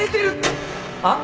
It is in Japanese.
あっ？